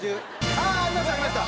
ああありましたありました！